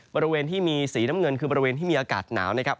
บริเวณที่มีสีน้ำเงินคือบริเวณที่มีอากาศหนาวนะครับ